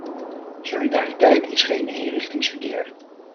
Solidariteit is geen eenrichtingsverkeer.